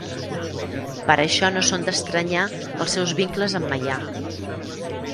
Per això no són d'estranyar els seus vincles amb Meià.